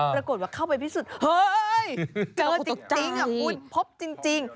ปรากฏว่าเข้าไปพิสูจน์เฮ้ยเจอจริงคุณพบจริง